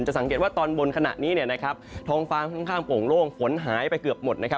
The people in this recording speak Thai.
จะสังเกตว่าตอนบนขณะนี้นะครับท้องฟ้างข้างโกงโล่งฝนหายไปเกือบหมดนะครับ